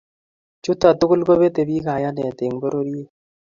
Chuto tugul kobete bik kayanet eng pororiet